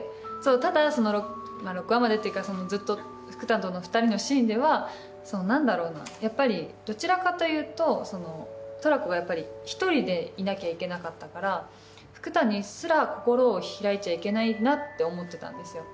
ただ６話までっていうかずっと福多との２人のシーンではやっぱりどちらかというとトラコが１人でいなきゃいけなかったから福多にすら心を開いちゃいけないなって思ってたんですよ